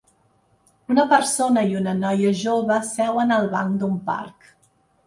Una persona i una noia jove seuen al banc d'un parc.